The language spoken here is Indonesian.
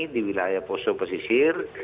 di wilayah poso pesisir